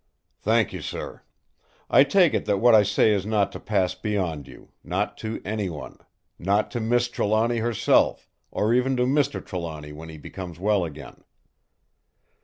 "Thank you, sir. I take it that what I say is not to pass beyond you—not to anyone. Not to Miss Trelawny herself, or even to Mr. Trelawny when he becomes well again."